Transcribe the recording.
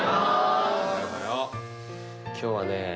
今日はね